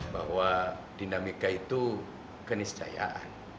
bahwa dinamika itu kenisjayaan